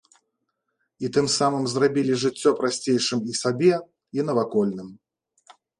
І тым самым зрабілі жыццё прасцейшым і сабе, і навакольным.